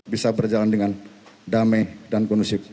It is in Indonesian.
bisa berjalan dengan damai dan kondusif